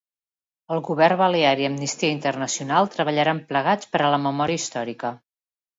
El govern balear i Amnisita Internacional treballaran plegats per a la memòria històrica.